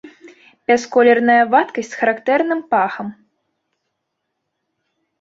Бясколерная вадкасць з характэрным пахам.